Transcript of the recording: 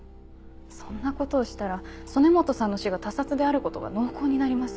そんなことをしたら曽根本さんの死が他殺であることが濃厚になります